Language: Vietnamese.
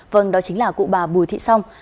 vâng đó chính là cụ bà bùi thị song